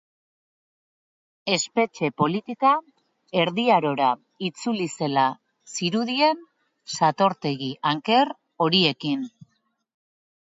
Espetxe politika Erdi Arora itzuli zela zirudien satortegi anker horiekin.